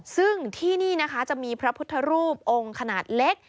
ซึ่งที่นี่นะคะจะมีพระพุทธรูปองค์ขนาดเล็ก